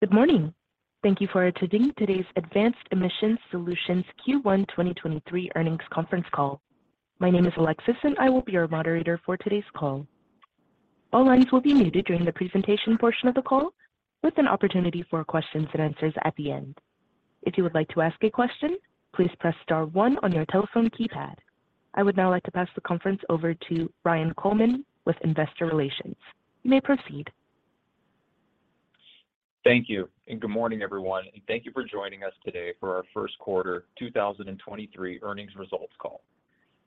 Good morning. Thank you for attending today's Advanced Emissions Solutions Q1 2023 earnings conference call. My name is Alexis. I will be your moderator for today's call. All lines will be muted during the presentation portion of the call with an opportunity for questions and answers at the end. If you would like to ask a question, please press star one on your telephone keypad. I would now like to pass the conference over to Ryan Coleman with Investor Relations. You may proceed. Thank you. Good morning, everyone. Thank you for joining us today for our first quarter 2023 earnings results call.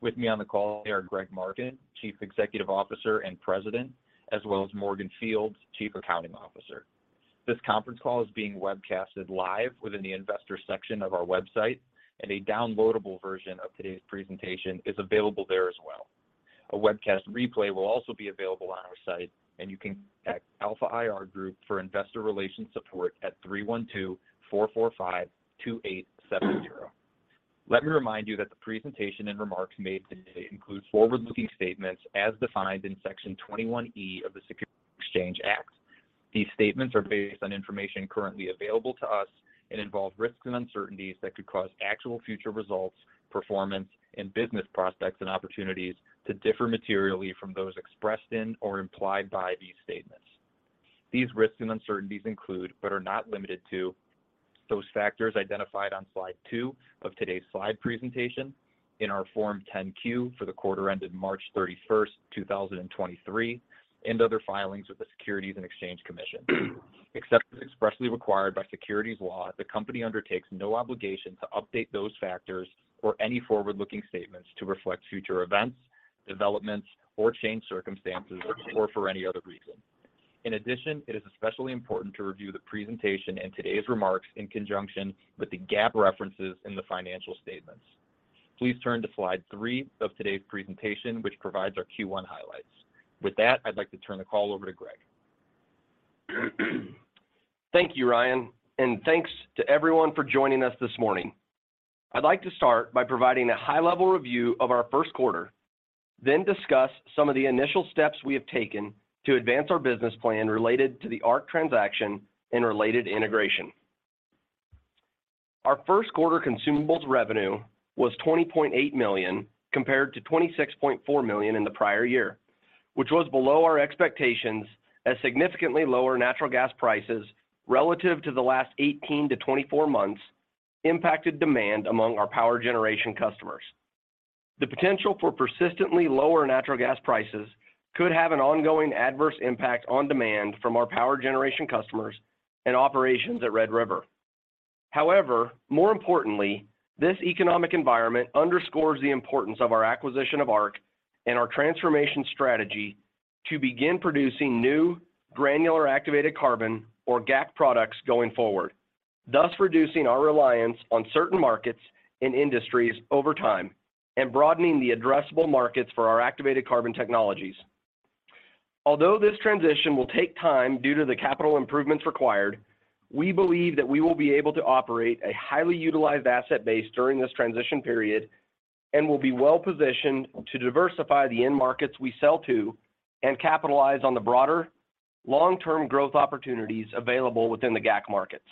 With me on the call are Greg Marken, Chief Executive Officer and President, as well as Morgan Fields, Chief Accounting Officer. This conference call is being webcasted live within the investor section of our website, a downloadable version of today's presentation is available there as well. A webcast replay will also be available on our site, you can contact Alpha IR Group for investor relations support at 312-445-2870. Let me remind you that the presentation and remarks made today include forward-looking statements as defined in Section 21E of the Securities Exchange Act. These statements are based on information currently available to us and involve risks and uncertainties that could cause actual future results, performance, and business prospects and opportunities to differ materially from those expressed in or implied by these statements. These risks and uncertainties include, but are not limited to, those factors identified on slide two of today's slide presentation in our Form 10-Q for the quarter ended March 31st, 2023, and other filings with the Securities and Exchange Commission. Except as expressly required by securities law, the company undertakes no obligation to update those factors or any forward-looking statements to reflect future events, developments or changed circumstances or for any other reason. In addition, it is especially important to review the presentation and today's remarks in conjunction with the GAAP references in the financial statements. Please turn to slide 3 of today's presentation, which provides our Q1 highlights. With that, I'd like to turn the call over to Greg. Thank you, Ryan, and thanks to everyone for joining us this morning. I'd like to start by providing a high-level review of our first quarter, then discuss some of the initial steps we have taken to advance our business plan related to the Arq transaction and related integration. Our first quarter consumables revenue was $20.8 million compared to $26.4 million in the prior year. Which was below our expectations as significantly lower natural gas prices relative to the last 18-24 months impacted demand among our power generation customers. The potential for persistently lower natural gas prices could have an ongoing adverse impact on demand from our power generation customers and operations at Red River. More importantly, this economic environment underscores the importance of our acquisition of Arq and our transformation strategy to begin producing new granular activated carbon or GAC products going forward, thus reducing our reliance on certain markets and industries over time and broadening the addressable markets for our activated carbon technologies. Although this transition will take time due to the capital improvements required, we believe that we will be able to operate a highly utilized asset base during this transition period and will be well-positioned to diversify the end markets we sell to and capitalize on the broader long-term growth opportunities available within the GAC markets.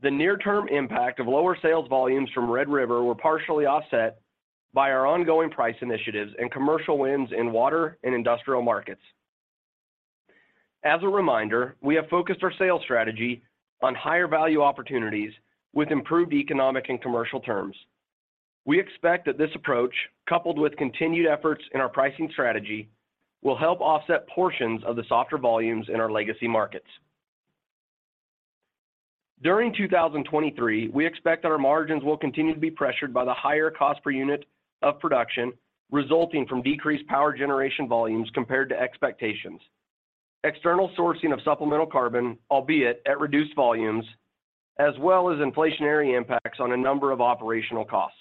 The near-term impact of lower sales volumes from Red River were partially offset by our ongoing price initiatives and commercial wins in water and industrial markets. As a reminder, we have focused our sales strategy on higher value opportunities with improved economic and commercial terms. We expect that this approach, coupled with continued efforts in our pricing strategy, will help offset portions of the softer volumes in our legacy markets. During 2023, we expect that our margins will continue to be pressured by the higher cost per unit of production resulting from decreased power generation volumes compared to expectations, external sourcing of supplemental carbon, albeit at reduced volumes, as well as inflationary impacts on a number of operational costs.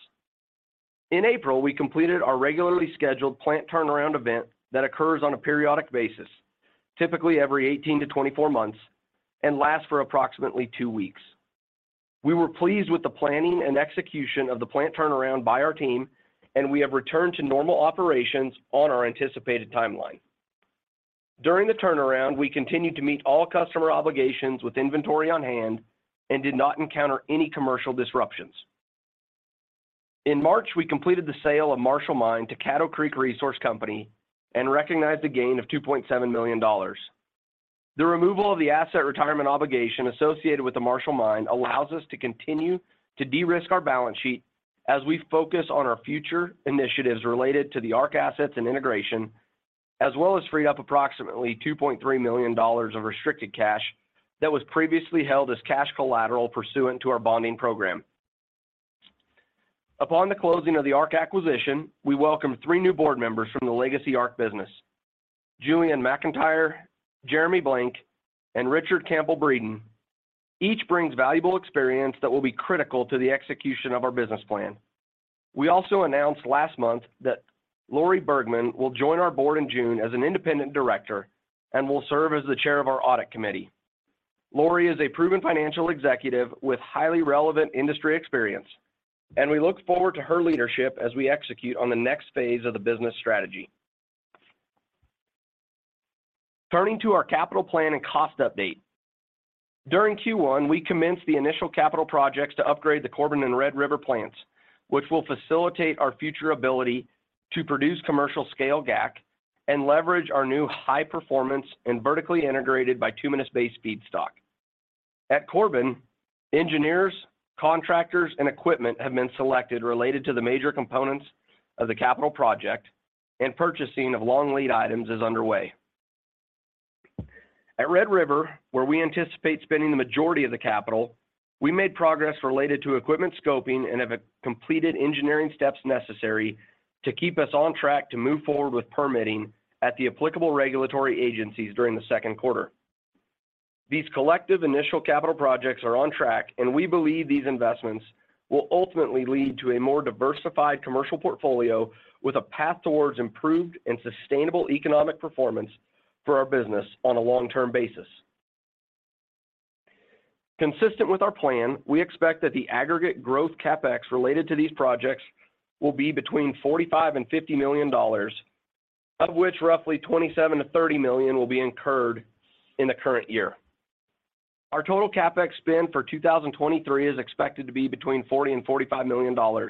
In April, we completed our regularly scheduled plant turnaround event that occurs on a periodic basis, typically every 18-24 months, and lasts for approximately two weeks. We were pleased with the planning and execution of the plant turnaround by our team, and we have returned to normal operations on our anticipated timeline. During the turnaround, we continued to meet all customer obligations with inventory on hand and did not encounter any commercial disruptions. In March, we completed the sale of Marshall Mine to Caddo Creek Resources Company and recognized a gain of $2.7 million. The removal of the asset retirement obligation associated with the Marshall Mine allows us to continue to de-risk our balance sheet as we focus on our future initiatives related to the Arq assets and integration, as well as freed up approximately $2.3 million of restricted cash that was previously held as cash collateral pursuant to our bonding program. Upon the closing of the Arq acquisition, we welcomed three new board members from the legacy Arq business. Julian McIntyre, Jeremy Blank, and Richard Campbell-Breeden. Each brings valuable experience that will be critical to the execution of our business plan. We also announced last month that Laurie Bergman will join our board in June as an independent director and will serve as the chair of our audit committee. Laurie is a proven financial executive with highly relevant industry experience, and we look forward to her leadership as we execute on the next phase of the business strategy. Turning to our capital plan and cost update. During Q1, we commenced the initial capital projects to upgrade the Corbin and Red River plants, which will facilitate our future ability to produce commercial scale GAC and leverage our new high performance and vertically integrated bituminous-based feedstock. At Corbin, engineers, contractors, and equipment have been selected related to the major components of the capital project, and purchasing of long lead items is underway. At Red River, where we anticipate spending the majority of the capital, we made progress related to equipment scoping and have completed engineering steps necessary to keep us on track to move forward with permitting at the applicable regulatory agencies during the second quarter. These collective initial capital projects are on track, and we believe these investments will ultimately lead to a more diversified commercial portfolio with a path towards improved and sustainable economic performance for our business on a long-term basis. Consistent with our plan, we expect that the aggregate growth CapEx related to these projects will be between $45 million and $50 million, of which roughly $27 million to $30 million will be incurred in the current year. Our total CapEx spend for 2023 is expected to be between $40 million-$45 million,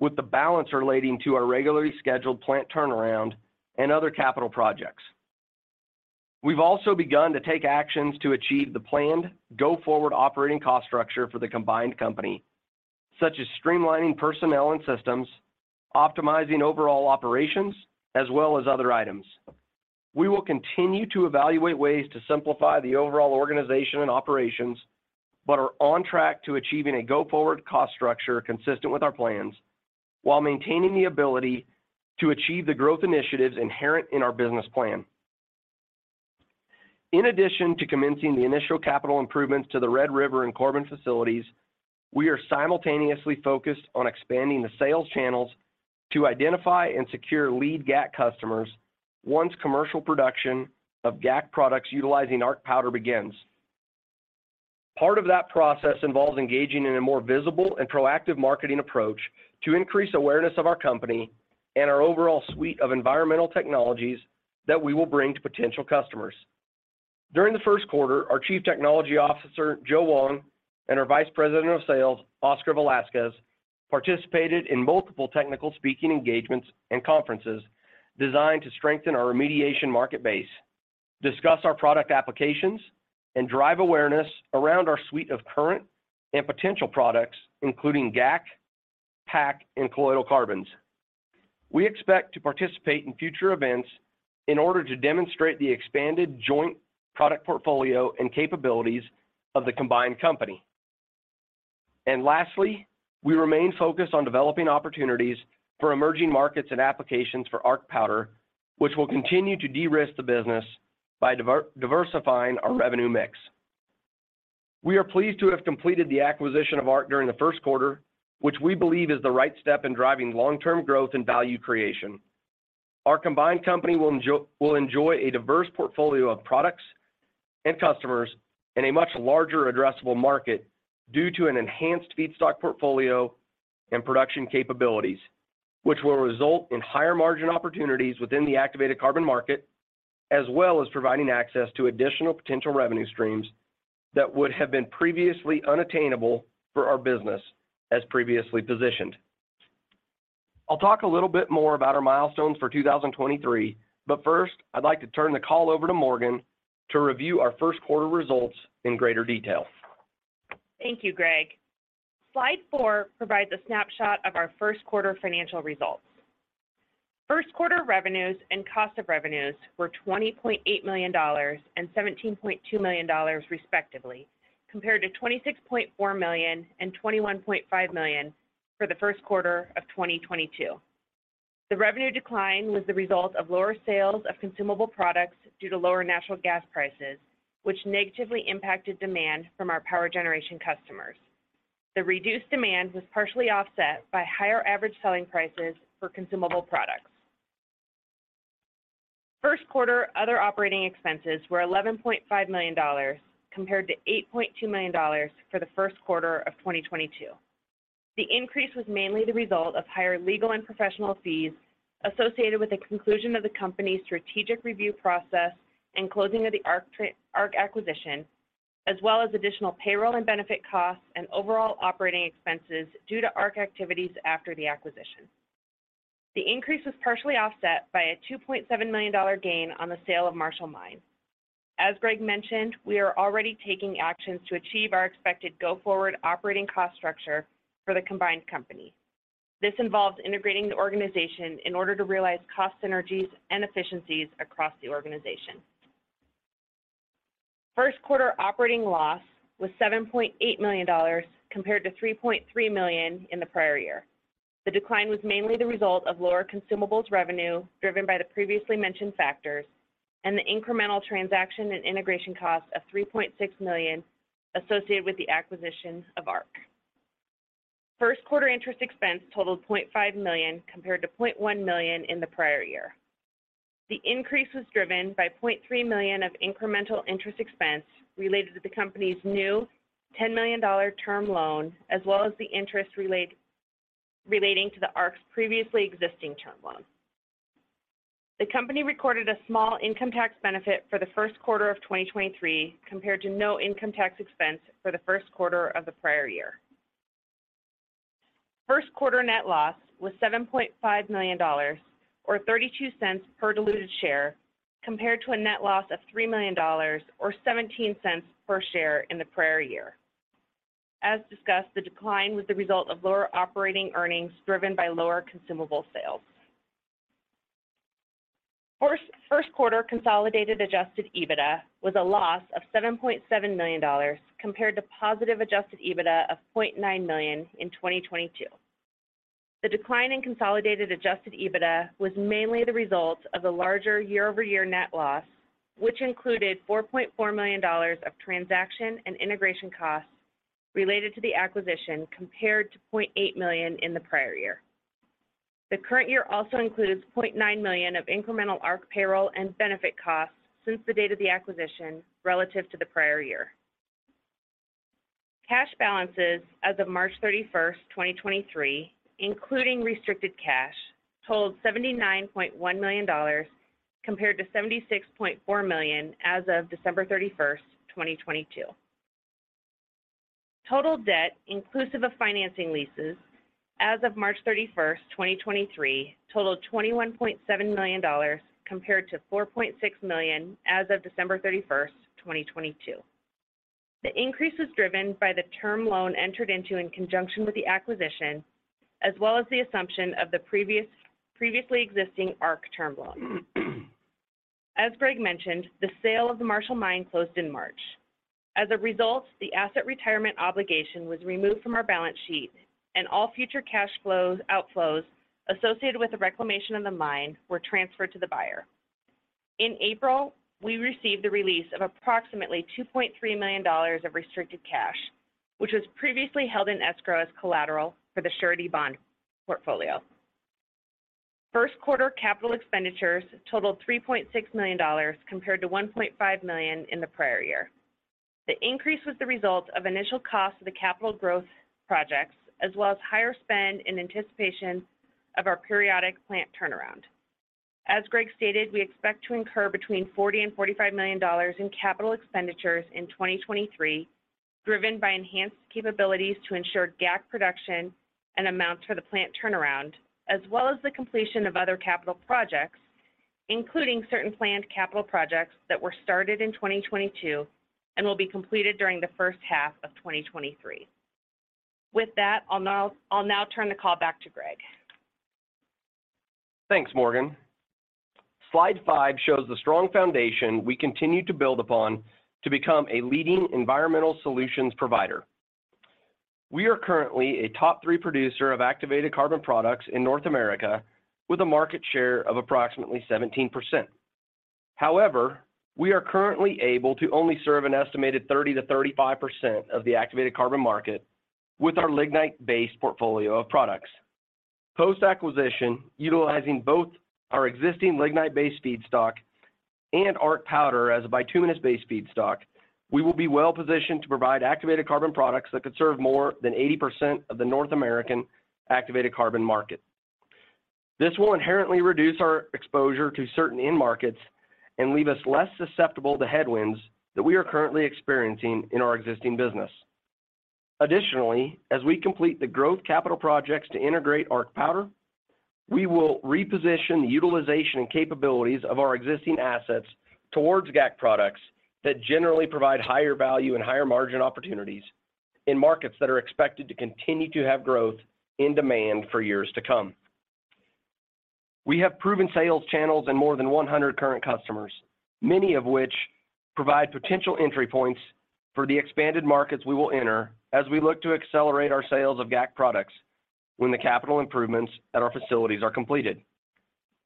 with the balance relating to our regularly scheduled plant turnaround and other capital projects. We've also begun to take actions to achieve the planned go-forward operating cost structure for the combined company, such as streamlining personnel and systems, optimizing overall operations, as well as other items. We will continue to evaluate ways to simplify the overall organization and operations, but are on track to achieving a go-forward cost structure consistent with our plans while maintaining the ability to achieve the growth initiatives inherent in our business plan. In addition to commencing the initial capital improvements to the Red River and Corbin facilities, we are simultaneously focused on expanding the sales channels to identify and secure lead GAC customers once commercial production of GAC products utilizing Arq powder begins. Part of that process involves engaging in a more visible and proactive marketing approach to increase awareness of our company and our overall suite of environmental technologies that we will bring to potential customers. During the first quarter, our Chief Technology Officer, Joe Wong, and our Vice President of Sales, Oscar Velasquez, participated in multiple technical speaking engagements and conferences designed to strengthen our remediation market base, discuss our product applications, and drive awareness around our suite of current and potential products, including GAC, PAC, and colloidal carbons. We expect to participate in future events in order to demonstrate the expanded joint product portfolio and capabilities of the combined company. Lastly, we remain focused on developing opportunities for emerging markets and applications for Arq powder, which will continue to de-risk the business by diversifying our revenue mix. We are pleased to have completed the acquisition of Arq during the first quarter, which we believe is the right step in driving long-term growth and value creation. Our combined company will enjoy a diverse portfolio of products and customers in a much larger addressable market due to an enhanced feedstock portfolio and production capabilities, which will result in higher margin opportunities within the activated carbon market, as well as providing access to additional potential revenue streams that would have been previously unattainable for our business as previously positioned. I'll talk a little bit more about our milestones for 2023, but first, I'd like to turn the call over to Morgan to review our first quarter results in greater detail. Thank you, Greg. Slide four provides a snapshot of our first quarter financial results. First quarter revenues and cost of revenues were $20.8 million and $17.2 million respectively, compared to $26.4 million and $21.5 million for the first quarter of 2022. The revenue decline was the result of lower sales of consumable products due to lower natural gas prices, which negatively impacted demand from our power generation customers. The reduced demand was partially offset by higher average selling prices for consumable products. First quarter other operating expenses were $11.5 million compared to $8.2 million for the first quarter of 2022. The increase was mainly the result of higher legal and professional fees associated with the conclusion of the company's strategic review process and closing of the Arq acquisition, as well as additional payroll and benefit costs and overall operating expenses due to Arq activities after the acquisition. The increase was partially offset by a $2.7 million gain on the sale of Marshall Mine. As Greg mentioned, we are already taking actions to achieve our expected go-forward operating cost structure for the combined company. This involves integrating the organization in order to realize cost synergies and efficiencies across the organization. First quarter operating loss was $7.8 million compared to $3.3 million in the prior year. The decline was mainly the result of lower consumables revenue driven by the previously mentioned factors and the incremental transaction and integration cost of $3.6 million associated with the acquisition of Arq. First quarter interest expense totaled $0.5 million compared to $0.1 million in the prior year. The increase was driven by $0.3 million of incremental interest expense related to the company's new $10 million term loan, as well as the interest Relating to the Arq's previously existing term loan. The company recorded a small income tax benefit for the first quarter of 2023 compared to no income tax expense for the first quarter of the prior year. First quarter net loss was $7.5 million or $0.32 per diluted share compared to a net loss of $3 million or $0.17 per share in the prior year. As discussed, the decline was the result of lower operating earnings driven by lower consumable sales. First quarter consolidated Adjusted EBITDA was a loss of $7.7 million compared to positive Adjusted EBITDA of $0.9 million in 2022. The decline in consolidated Adjusted EBITDA was mainly the result of the larger year-over-year net loss, which included $4.4 million of transaction and integration costs related to the acquisition compared to $0.8 million in the prior year. The current year also includes $0.9 million of incremental Arq payroll and benefit costs since the date of the acquisition relative to the prior year. Cash balances as of March 31, 2023, including restricted cash, totaled $79.1 million compared to $76.4 million as of December 31st, 2022. Total debt inclusive of financing leases as of March 31st, 2023 totaled $21.7 million compared to $4.6 million as of December 31st, 2022. The increase was driven by the term loan entered into in conjunction with the acquisition, as well as the assumption of the previously existing Arq term loan. As Greg mentioned, the sale of the Marshall Mine closed in March. As a result, the asset retirement obligation was removed from our balance sheet, and all future cash flows outflows associated with the reclamation of the mine were transferred to the buyer. In April, we received the release of approximately $2.3 million of restricted cash, which was previously held in escrow as collateral for the surety bond portfolio. First quarter capital expenditures totaled $3.6 million compared to $1.5 million in the prior year. The increase was the result of initial cost of the capital growth projects as well as higher spend in anticipation of our periodic plant turnaround. As Greg stated, we expect to incur between $40 million and $45 million in capital expenditures in 2023, driven by enhanced capabilities to ensure GAC production and amounts for the plant turnaround, as well as the completion of other capital projects, including certain planned capital projects that were started in 2022 and will be completed during the first half of 2023. With that, I'll now turn the call back to Greg. Thanks, Morgan. Slide 5 shows the strong foundation we continue to build upon to become a leading environmental solutions provider. We are currently a top three producer of activated carbon products in North America with a market share of approximately 17%. We are currently able to only serve an estimated 30%-35% of the activated carbon market with our lignite-based portfolio of products. Post-acquisition, utilizing both our existing lignite-based feedstock and Arq powder as a bituminous-based feedstock, we will be well-positioned to provide activated carbon products that could serve more than 80% of the North American activated carbon market. This will inherently reduce our exposure to certain end markets and leave us less susceptible to headwinds that we are currently experiencing in our existing business. As we complete the growth capital projects to integrate Arq powder, we will reposition the utilization and capabilities of our existing assets towards GAC products that generally provide higher value and higher margin opportunities in markets that are expected to continue to have growth in demand for years to come. We have proven sales channels and more than 100 current customers, many of which provide potential entry points for the expanded markets we will enter as we look to accelerate our sales of GAC products when the capital improvements at our facilities are completed.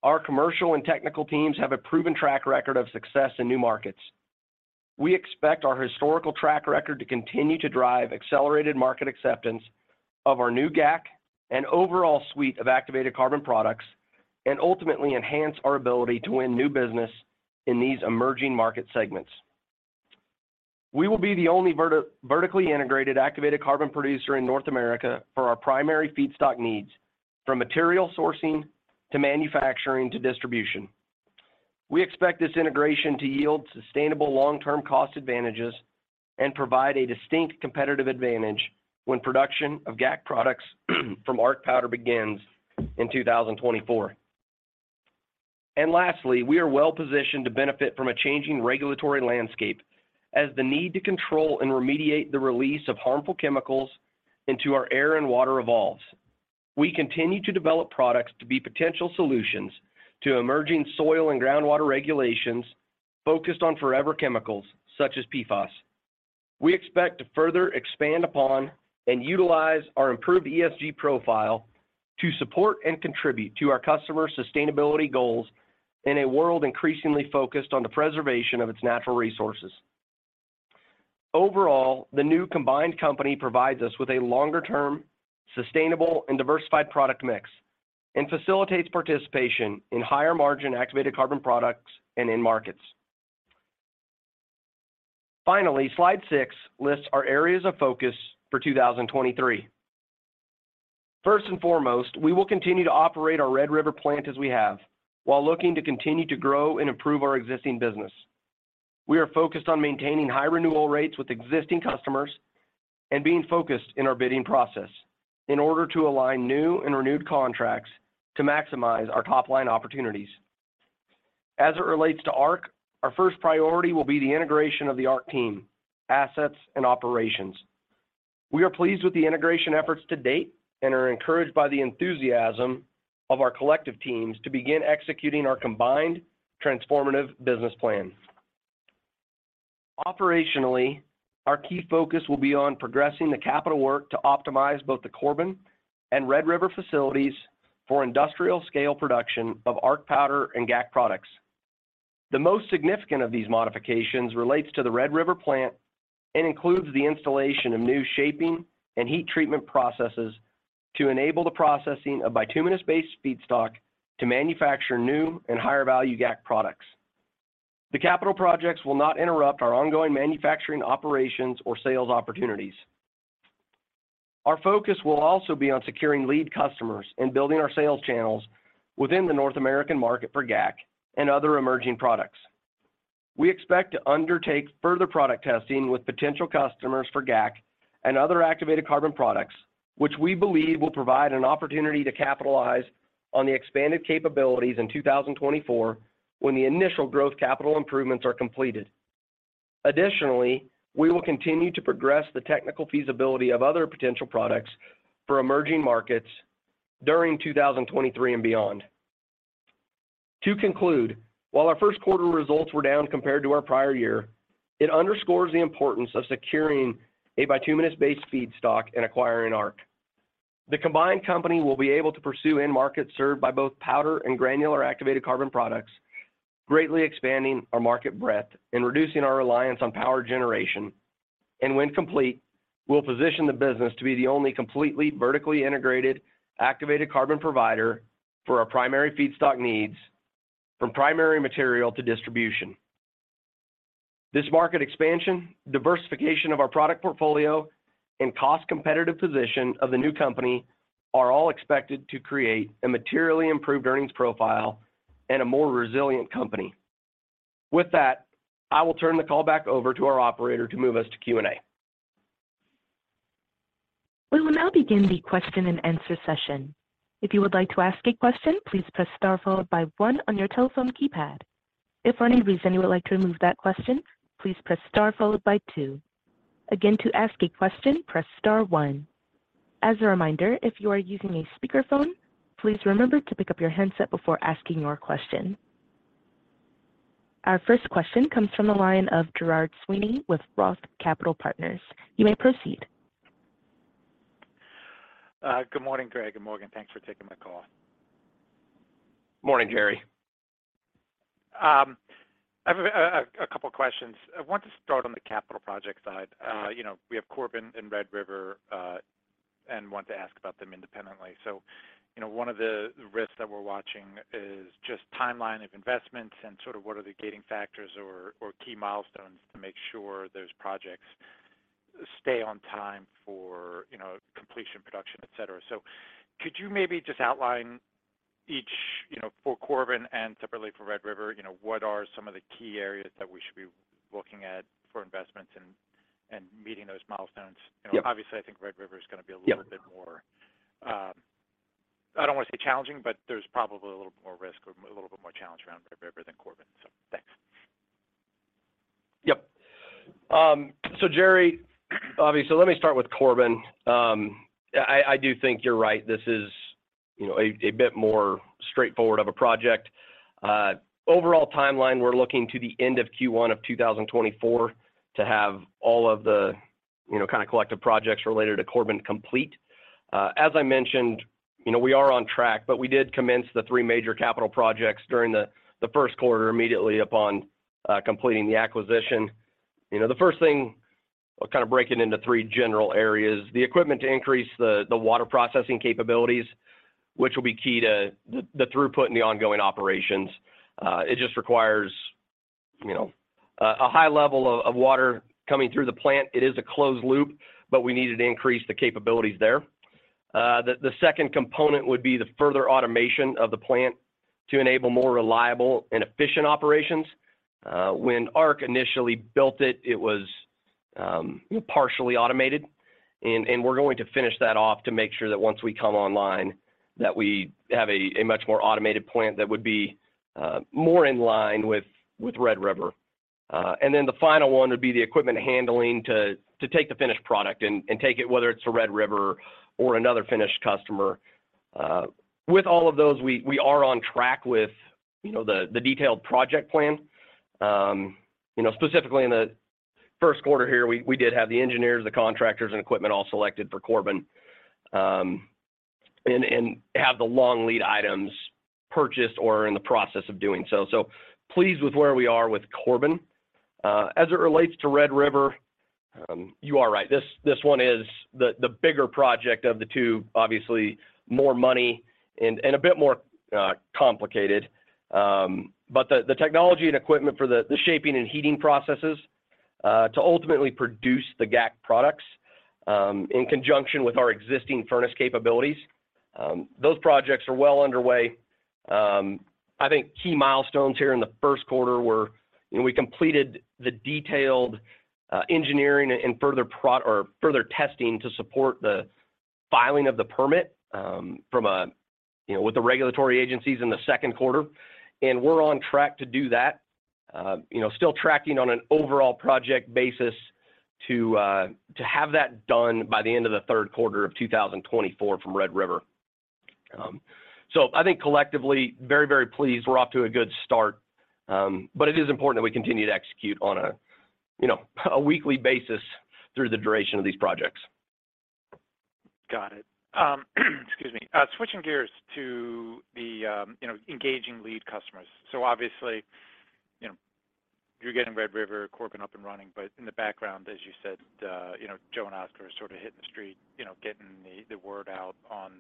Our commercial and technical teams have a proven track record of success in new markets. We expect our historical track record to continue to drive accelerated market acceptance of our new GAC and overall suite of activated carbon products and ultimately enhance our ability to win new business in these emerging market segments. We will be the only vertically integrated activated carbon producer in North America for our primary feedstock needs, from material sourcing to manufacturing to distribution. We expect this integration to yield sustainable long-term cost advantages and provide a distinct competitive advantage when production of GAC products from Arq powder begins in 2024. Lastly, we are well-positioned to benefit from a changing regulatory landscape as the need to control and remediate the release of harmful chemicals into our air and water evolves. We continue to develop products to be potential solutions to emerging soil and groundwater regulations focused on forever chemicals such as PFAS. We expect to further expand upon and utilize our improved ESG profile to support and contribute to our customers' sustainability goals in a world increasingly focused on the preservation of its natural resources. Overall, the new combined company provides us with a longer-term, sustainable, and diversified product mix and facilitates participation in higher-margin activated carbon products and end markets. Slide 6 lists our areas of focus for 2023. First and foremost, we will continue to operate our Red River plant as we have while looking to continue to grow and improve our existing business. We are focused on maintaining high renewal rates with existing customers and being focused in our bidding process in order to align new and renewed contracts to maximize our top-line opportunities. As it relates to Arq, our first priority will be the integration of the Arq team, assets and operations. We are pleased with the integration efforts to date and are encouraged by the enthusiasm of our collective teams to begin executing our combined transformative business plan. Operationally, our key focus will be on progressing the capital work to optimize both the Corbin and Red River facilities for industrial scale production of Arq powder and GAC products. The most significant of these modifications relates to the Red River plant and includes the installation of new shaping and heat treatment processes to enable the processing of bituminous-based feedstock to manufacture new and higher value GAC products. The capital projects will not interrupt our ongoing manufacturing operations or sales opportunities. Our focus will also be on securing lead customers and building our sales channels within the North American market for GAC and other emerging products. We expect to undertake further product testing with potential customers for GAC and other activated carbon products, which we believe will provide an opportunity to capitalize on the expanded capabilities in 2024 when the initial growth capital improvements are completed. Additionally, we will continue to progress the technical feasibility of other potential products for emerging markets during 2023 and beyond. To conclude, while our first quarter results were down compared to our prior year, it underscores the importance of securing a bituminous-based feedstock and acquiring Arq. The combined company will be able to pursue end markets served by both powder and granular activated carbon products, greatly expanding our market breadth and reducing our reliance on power generation. When complete, we'll position the business to be the only completely vertically integrated activated carbon provider for our primary feedstock needs from primary material to distribution. This market expansion, diversification of our product portfolio and cost competitive position of the new company are all expected to create a materially improved earnings profile and a more resilient company. With that, I will turn the call back over to our operator to move us to Q&A. We will now begin the question and answer session. If you would like to ask a question, please press star followed by one on your telephone keypad. If for any reason you would like to remove that question, please press star followed by two. Again, to ask a question, press star one. As a reminder, if you are using a speakerphone, please remember to pick up your handset before asking your question. Our first question comes from the line of Gerard Sweeney with Roth Capital Partners. You may proceed. Good morning, Greg and Morgan. Thanks for taking my call. Morning, Gerry. I have a couple of questions. I want to start on the capital project side. You know, we have Corbin and Red River, and want to ask about them independently. You know, one of the risks that we're watching is just timeline of investments and sort of what are the gating factors or key milestones to make sure those projects stay on time for, you know, completion, production, et cetera. Could you maybe just outline each, you know, for Corbin and separately for Red River, you know, what are some of the key areas that we should be looking at for investments and meeting those milestones? Yep. You know, obviously I think Red River is gonna be a little bit more, I don't want to say challenging, but there's probably a little more risk or a little bit more challenge around Red River than Corbin. Thanks. Yep. Gerry, obviously, let me start with Corbin. I do think you're right. This is, you know, a bit more straightforward of a project. Overall timeline, we're looking to the end of Q1 of 2024 to have all of the, you know, kind of collective projects related to Corbin complete. As I mentioned, you know, we are on track, but we did commence the three major capital projects during the first quarter immediately upon completing the acquisition. You know, the first thing, kind of breaking into 3 general areas. The equipment to increase the water processing capabilities, which will be key to the throughput in the ongoing operations. It just requires, you know, a high level of water coming through the plant. It is a closed loop, but we needed to increase the capabilities there. The second component would be the further automation of the plant to enable more reliable and efficient operations. When Arq initially built it was partially automated. We're going to finish that off to make sure that once we come online that we have a much more automated plant that would be more in line with Red River. The final one would be the equipment handling to take the finished product and take it whether it's to Red River or another finished customer. With all of those, we are on track with, you know, the detailed project plan. You know, specifically in the first quarter here, we did have the engineers, the contractors and equipment all selected for Corbin, and have the long lead items purchased or in the process of doing so. Pleased with where we are with Corbin. As it relates to Red River, you are right. This one is the bigger project of the two, obviously more money and a bit more complicated. The technology and equipment for the shaping and heating processes, to ultimately produce the GAC products, in conjunction with our existing furnace capabilities, those projects are well underway. I think key milestones here in the first quarter were, you know, we completed the detailed engineering and further testing to support the filing of the permit, you know, with the regulatory agencies in the second quarter. We're on track to do that. Still tracking on an overall project basis to have that done by the end of the third quarter of 2024 from Red River. I think collectively very, very pleased we're off to a good start. It is important that we continue to execute on a, you know, a weekly basis through the duration of these projects. Got it. Excuse me. Switching gears to the, you know, engaging lead customers. Obviously, you know, you're getting Red River Corbin up and running, but in the background, as you said, you know, Joe and Oscar are sort of hitting the street, you know, getting the word out on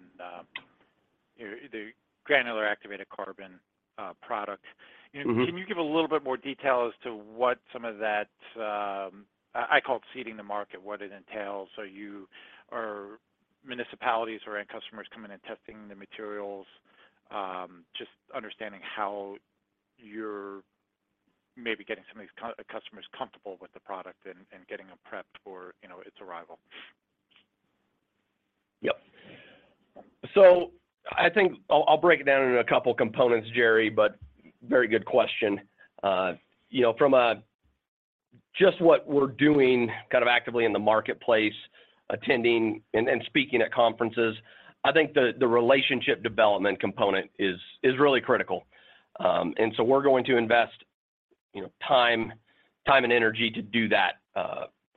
the granular activated carbon product. Mm-hmm. Can you give a little bit more detail as to what some of that... I call it seeding the market, what it entails? Are municipalities or end customers coming and testing the materials? Just understanding how you're maybe getting some of these customers comfortable with the product and getting them prepped for, you know, its arrival. Yep. I think I'll break it down into two components, Jerry. Very good question. You know, just what we're doing kind of actively in the marketplace, attending and speaking at conferences, I think the relationship development component is really critical. We're going to invest, you know, time and energy to do that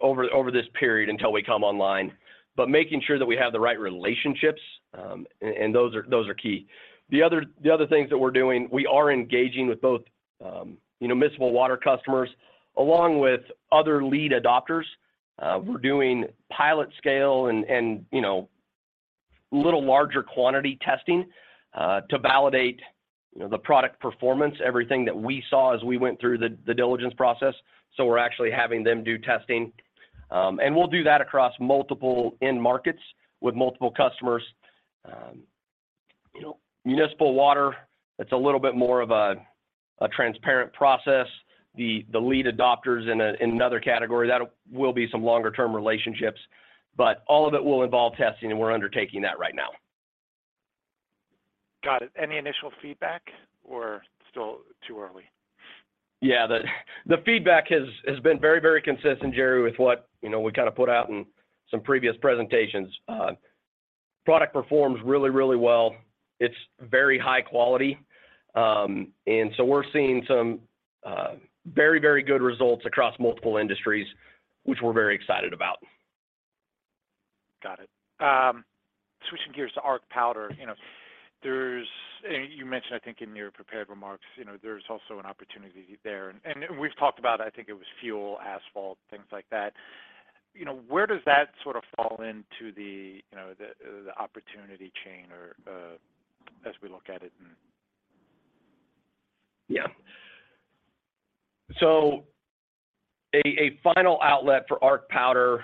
over this period until we come online. Making sure that we have the right relationships, and those are key. The other things that we're doing, we are engaging with both, you know, municipal water customers along with other lead adopters. We're doing pilot scale and, you know, little larger quantity testing to validate, you know, the product performance, everything that we saw as we went through the diligence process. We're actually having them do testing. We'll do that across multiple end markets with multiple customers. You know, municipal water, that's a little bit more of a transparent process. The lead adopters in another category, that will be some longer term relationships, but all of it will involve testing, and we're undertaking that right now. Got it. Any initial feedback or still too early? Yeah. The feedback has been very, very consistent, Jerry, with what, you know, we kind of put out in some previous presentations. Product performs really, really well. It's very high quality. We're seeing some very, very good results across multiple industries, which we're very excited about. Got it. switching gears to Arq powder, you know, You mentioned I think in your prepared remarks, you know, there's also an opportunity there and we've talked about I think it was fuel, asphalt, things like that. You know, where does that sort of fall into the, you know, the opportunity chain or as we look at it and... A final outlet for Arq powder,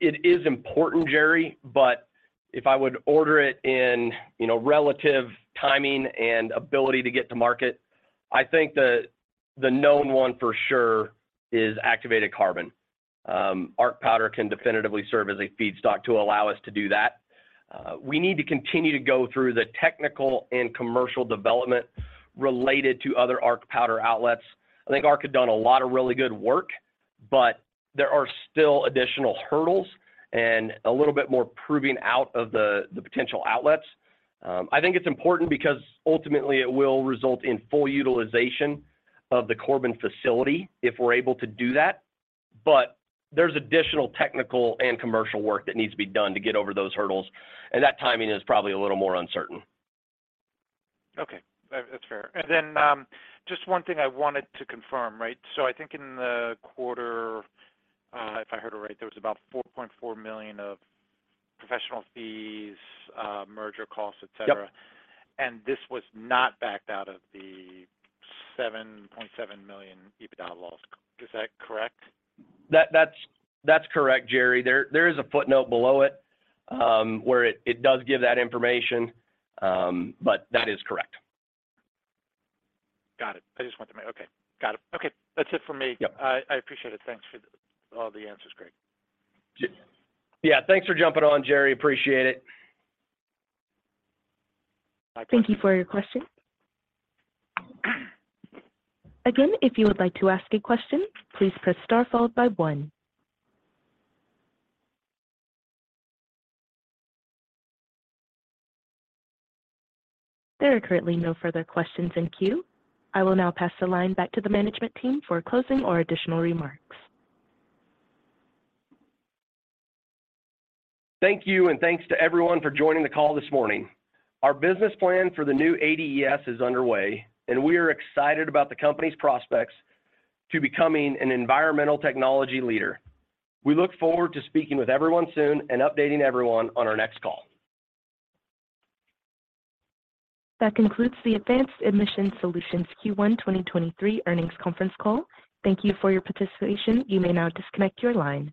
it is important, Gerry, but if I would order it in, you know, relative timing and ability to get to market, I think the known one for sure is activated carbon. Arq powder can definitively serve as a feedstock to allow us to do that. We need to continue to go through the technical and commercial development related to other Arq powder outlets. I think Arq had done a lot of really good work, but there are still additional hurdles and a little bit more proving out of the potential outlets. I think it's important because ultimately it will result in full utilization of the Corbin facility if we're able to do that. There's additional technical and commercial work that needs to be done to get over those hurdles, and that timing is probably a little more uncertain. That's fair. Just one thing I wanted to confirm, right? I think in the quarter, if I heard it right, there was about $4.4 million of professional fees, merger costs, et cetera. Yep. This was not backed out of the $7.7 million EBITDA loss. Is that correct? That's correct, Jerry. There is a footnote below it, where it does give that information, but that is correct. Got it. I just wanted to. Okay. Got it. Okay. That's it for me. Yep. I appreciate it. Thanks for all the answers. Great. Yeah. Thanks for jumping on, Jerry. Appreciate it. Bye. Thank you for your question. Again, if you would like to ask a question, please press star followed by one. There are currently no further questions in queue. I will now pass the line back to the management team for closing or additional remarks. Thank you, and thanks to everyone for joining the call this morning. Our business plan for the new ADES is underway, and we are excited about the company's prospects to becoming an environmental technology leader. We look forward to speaking with everyone soon and updating everyone on our next call. That concludes the Advanced Emissions Solutions Q1 2023 earnings conference call. Thank you for your participation. You may now disconnect your line.